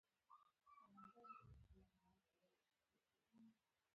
او اوسنی یې د تېر په څېر ندی